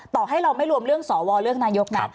ต่อให้เราไม่รวมเรื่องสวเรื่องนายกนะ